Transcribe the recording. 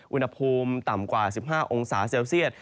วินพรมต่ำกว่า๑๕องศาเซลเซียต